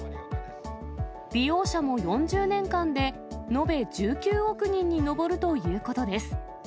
利用者も４０年間で延べ１９億人に上るということです。